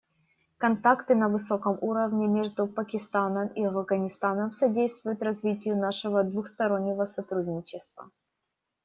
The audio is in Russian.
Контакты на высоком уровне между Пакистаном и Афганистаном содействуют развитию нашего двустороннего сотрудничества.